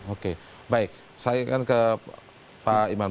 oke baik saya kan ke pak iman pak